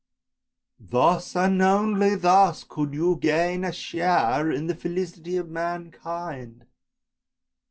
Thus and only thus, could you gain a share in the felicity of mankind.